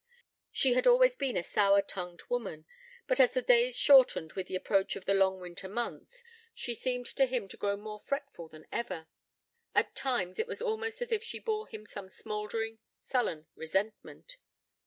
She had always been a sour tongued woman; but, as the days shortened with the approach of the long winter months, she seemed to him to grow more fretful than ever; at times it was almost as if she bore him some smouldering, sullen resentment.